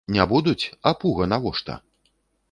Не будуць, а пуга навошта?